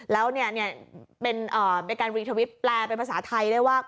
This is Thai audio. แล้วเป็นการรีทวิปแปลเป็นภาษาไทยได้ว่า